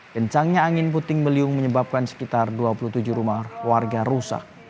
kencangnya angin puting beliung menyebabkan sekitar dua puluh tujuh rumah warga rusak